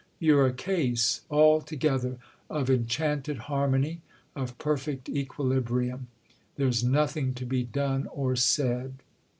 You're a case, all together, of enchanted harmony, of perfect equilibrium—there's nothing to be done or said."